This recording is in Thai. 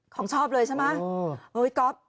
ของชอบเลยใช่ไหม